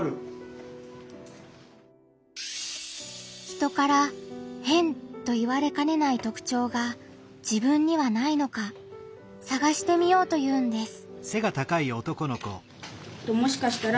人から「変」と言われかねない特徴が自分にはないのかさがしてみようというんです。